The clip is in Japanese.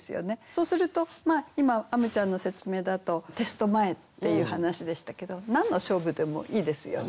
そうすると今あむちゃんの説明だとテスト前っていう話でしたけど何の勝負でもいいですよね。